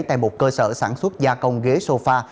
tại một cơ sở sản xuất gia công ghế sofa